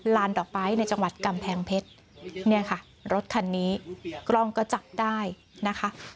ดอกไม้ในจังหวัดกำแพงเพชรเนี่ยค่ะรถคันนี้กล้องก็จับได้นะคะ